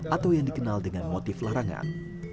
atau yang dikenal dengan motif larangan